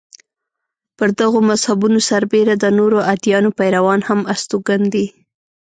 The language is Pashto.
پر دغو مذهبونو سربېره د نورو ادیانو پیروان هم استوګن دي.